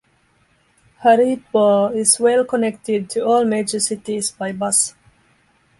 Haridwar is well connected to all major cities by bus.